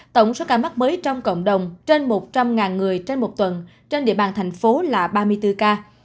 tổng số ca mắc mới trong cộng đồng trên một trăm linh người trên một tuần trên địa bàn thành phố là ba mươi bốn ca